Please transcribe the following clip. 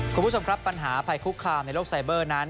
คุณผู้ชมครับปัญหาภัยคุกคามในโลกไซเบอร์นั้น